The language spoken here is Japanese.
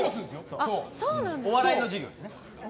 お笑いの授業ですね。